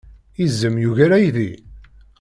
Izem yugar aydi?